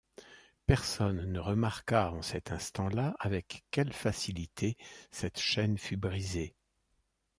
Personne ne remarqua en cet instant-là avec quelle facilité cette chaîne fut brisée.